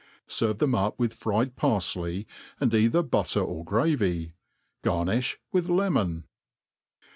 Serve ihem up with fried pariley, and either butter or gravy. Garnifh with lemon.